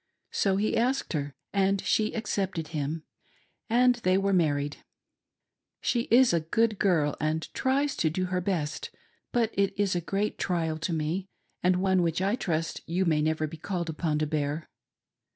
So he asked her, and she accepted him, and they were mar ried. She is a good girl and tries to do her best, but it is a great trial to me, and one which I trust you may never be called upon to bear.